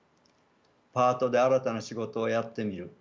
パートで新たな仕事をやってみる。